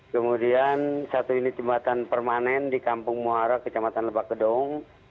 kemudian satu unit jembatan permanen di kampung muhara kejamatan lebakedong